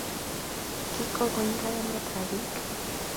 Kikwo ngweny kayanetab bik